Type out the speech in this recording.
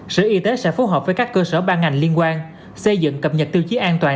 sở y tế sẽ phối hợp với các cơ sở ban ngành liên quan xây dựng cập nhật tiêu chí an toàn